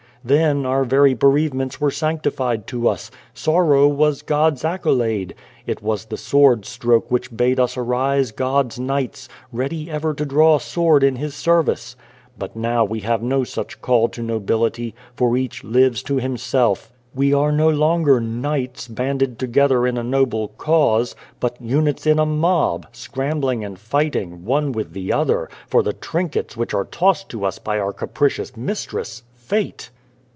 Then, our very bereavements were sanctified to us. Sor row was God's accolade. It was the sword '95 The Child, the Wise Man stroke which bade us arise God's knights, ready ever to draw sword in His service. But now we have no such call to nobility, for each lives to himself. We are no longer knights, banded together in a noble cause, but units in a mob, scrambling and fighting, one with the other, for the trinkets which are tossed to us by our capricious mistress, Fate.